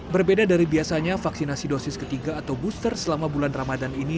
berbeda dari biasanya vaksinasi dosis ketiga atau booster selama bulan ramadan ini